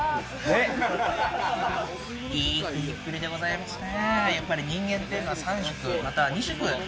いい食いっぷりでございますね。